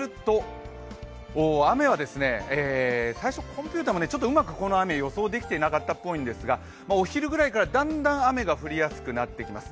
雨は最初コンピューターもうまくこの雨予想できてなかったっぽいんですがお昼ぐらいからだんだん雨が降りやすくなってきます。